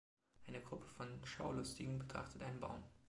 Eine Gruppe von Schaulustigen betrachtet einen Baum.